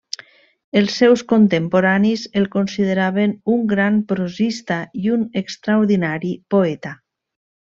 Els seus contemporanis el consideraven un gran prosista i un extraordinari poeta.